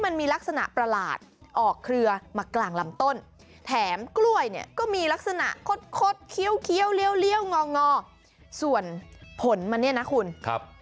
มันเกลือเงาเหงองอส่วนผลขณะนี้นะ